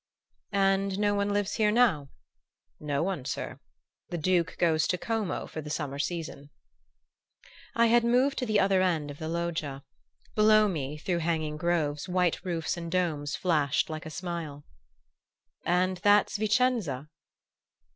"And no one lives here now?" "No one, sir. The Duke, goes to Como for the summer season." I had moved to the other end of the loggia. Below me, through hanging groves, white roofs and domes flashed like a smile. "And that's Vicenza?"